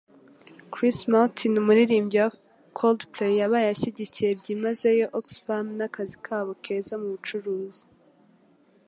Chris Martin, umuririmbyi wa Coldplay, yabaye ashyigikiye byimazeyo Oxfam nakazi kabo keza mubucuruzi.